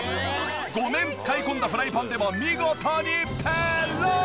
５年使い込んだフライパンでも見事にペロン！